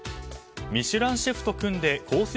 ミシュランシェフと組んでコース